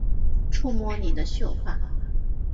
触摸你的秀发